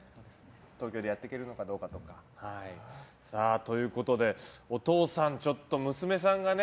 東京でやっていけるかどうかとか。ということでお父さん、ちょっと、娘さんがね